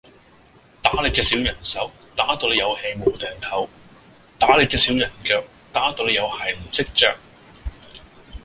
打你隻小人手，打到你有氣無定唞；打你隻小人腳，打到你有鞋唔識着！